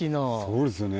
そうですよね。